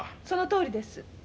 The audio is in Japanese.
そのとおりです。